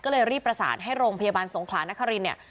ก็เลยรีบประสานให้โรงพยาบาลสงขลานครินเนี่ย